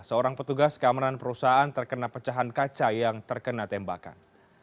seorang petugas keamanan perusahaan terkena pecahan kaca yang terkena tembakan